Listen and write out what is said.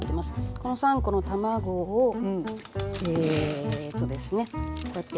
この３コの卵をえとですねこうやって。